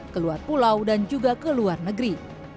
keluar pulau dan juga keluar negeri